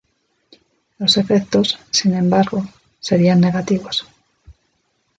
Los efectos, sin embargo, serían negativos.